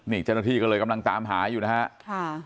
นี่เจ้าหน้าที่ก็เลยกำลังตามหาอยู่นะครับ